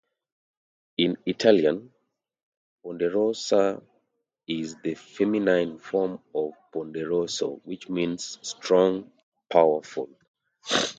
In Italian "ponderosa" is the feminine form of "ponderoso", which means "strong", "powerful".